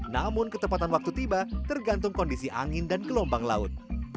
namun ketepatan waktu tiba tergantung kondisi angin dan gelombang laut